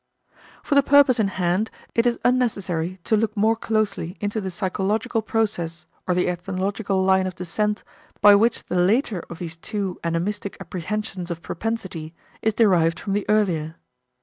For the purpose in hand it is unnecessary to look more closely into the psychological process or the ethnological line of descent by which the later of these two animistic apprehensions of propensity is derived from the earlier.